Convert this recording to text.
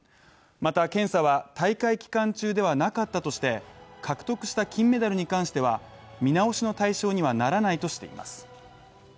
また検査は大会期間中ではなかったとして獲得した金メダルに関しては、見直しの対象にはならないとしています。